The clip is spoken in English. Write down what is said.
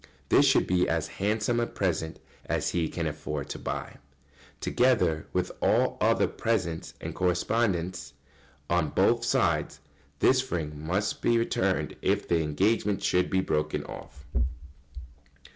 This should be as handsome a present as he can afford to buy. Together with all other presents and correspondence on both sides, this ring must be returned if the engagement should be broken off.